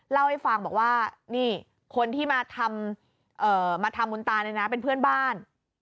เล่าให้ฟังบอกว่านี่คนที่มาทำบุญตาเนี่ยนะเป็นเพื่อนบ้าน